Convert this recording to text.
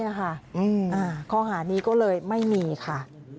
นี่แหละค่ะข้อหานี้ก็เลยไม่มีค่ะ